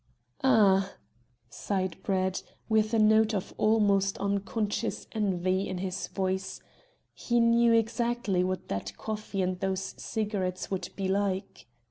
"Ah!" sighed Brett, with a note of almost unconscious envy in his voice. He knew exactly what that coffee and those cigarettes would be like.